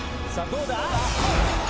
どうだ？